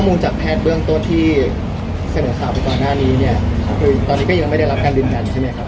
มูลจากแพทย์เบื้องต้นที่เสนอข่าวไปก่อนหน้านี้เนี่ยคือตอนนี้ก็ยังไม่ได้รับการยืนยันใช่ไหมครับ